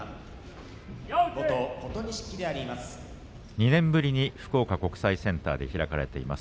２年ぶりに福岡国際センターで開かれています